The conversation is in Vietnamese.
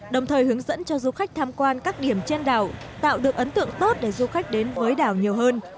đồng thời hướng dẫn cho du khách tham quan các điểm trên đảo tạo được ấn tượng tốt để du khách đến với đảo nhiều hơn